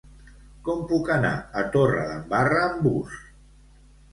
Com puc anar a Torredembarra amb bus?